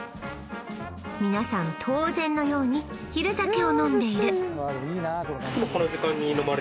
皆さん当然のように昼酒を飲んでいるいや